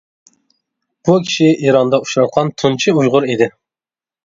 بۇ كىشى ئىراندا ئۇچراتقان تۇنجى ئۇيغۇر ئىدى.